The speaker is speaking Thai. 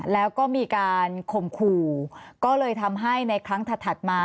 แล้วก็มีการข่มขู่ก็เลยทำให้ในครั้งถัดมา